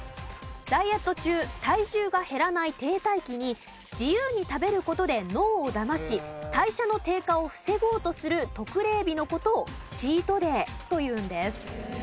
ダイエット中体重が減らない停滞期に自由に食べる事で脳をだまし代謝の低下を防ごうとする特例日の事をチートデーというんです。